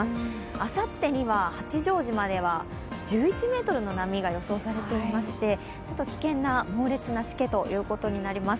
あさってには八丈島では１１ｍの波が予想されていまして危険な猛烈なしけということになります